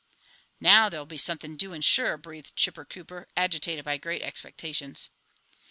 "Now there'll be something doing, sure!" breathed Chipper Cooper, agitated by great expectations.